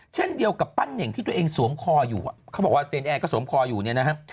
เช่นเดียวกับปั้นเน่งที่ตัวเองสวมคออยู่อ่ะเขาบอกว่าเซนแอร์ก็สวมคออยู่เนี่ยนะครับ